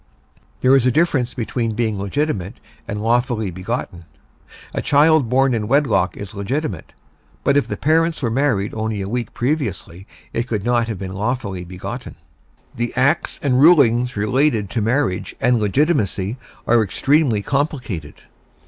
There is a difference between being legitimate and lawfully begotten. A child born in wedlock is legitimate, but if the parents were married only a week previously it could not have been lawfully begotten. The Acts and rulings relating to Marriage and Legitimacy are extremely complicated.